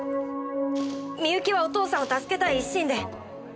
美由紀はお父さんを助けたい一心で。